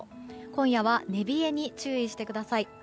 今夜は寝冷えに注意してください。